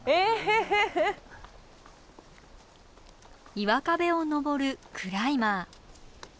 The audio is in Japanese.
岩壁を登るクライマー。